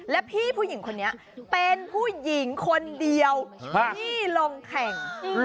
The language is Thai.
และพี่ผู้หญิงคนนี้เป็นผู้หญิงคนเดียวที่ลงแข่ง